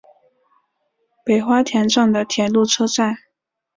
北花田站的铁路车站。